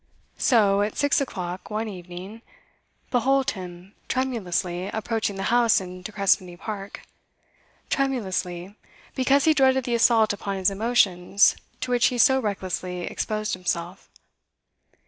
So, at six o'clock one evening, behold him tremulously approaching the house in De Crespigny Park, tremulously, because he dreaded the assault upon his emotions to which he so recklessly exposed himself.